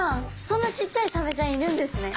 そんなちっちゃいサメちゃんいるんですね。